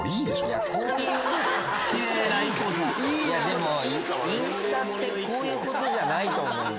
でもインスタってこういうことじゃないと思う。